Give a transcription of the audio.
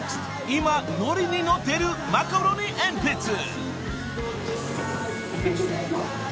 今ノリに乗ってるマカロニえんぴつ］